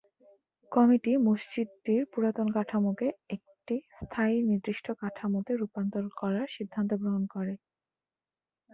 Committee মসজিদটির পুরাতন কাঠামোকে একটি স্থায়ী নির্দিষ্ট কাঠামোতে রূপান্তর করার সিদ্ধান্ত গ্রহণ করে।